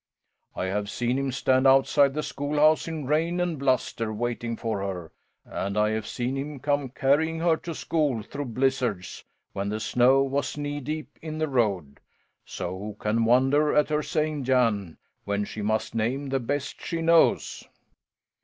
I have seen him stand outside the schoolhouse in rain and bluster, waiting for her, and I've seen him come carrying her to school through blizzards, when the snow was knee deep in the road. So who can wonder at her saying Jan when she must name the best she knows!"